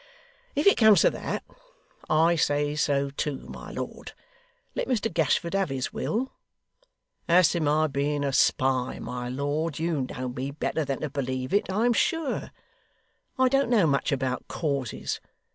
'If it comes to that, I say so too, my lord. Let Mr Gashford have his will. As to my being a spy, my lord, you know me better than to believe it, I am sure. I don't know much about causes.